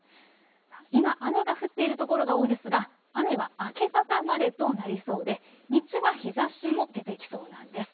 今、雨が降っている所が多いですが雨は明け方までとなりそうで日中は日ざしも出てきそうなんです。